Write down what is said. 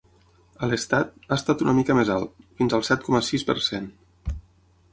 A l’estat, ha estat una mica més alt, fins al set coma sis per cent.